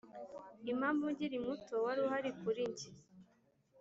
'impamvu nkiri muto wari uhari kuri njye